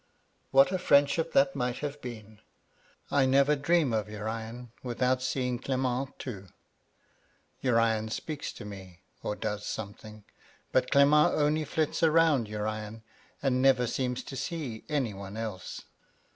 "Wbat a friendsbip that might have been! I never dream of Urian without seeing Clement too, — Urian speaks to me, or does something, — ^but Clement only flits round Urian, and never seems to see any one else